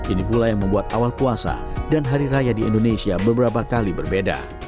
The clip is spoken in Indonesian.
ini pula yang membuat awal puasa dan hari raya di indonesia beberapa kali berbeda